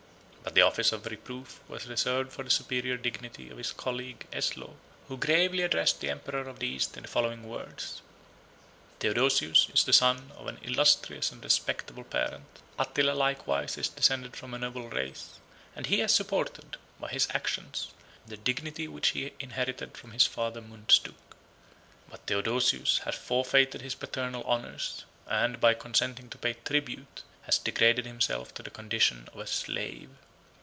But the office of reproof was reserved for the superior dignity of his colleague Eslaw, who gravely addressed the emperor of the East in the following words: "Theodosius is the son of an illustrious and respectable parent: Attila likewise is descended from a noble race; and he has supported, by his actions, the dignity which he inherited from his father Mundzuk. But Theodosius has forfeited his paternal honors, and, by consenting to pay tribute has degraded himself to the condition of a slave.